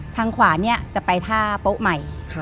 ทางขวาจะไปท่าโป๊ะใหม่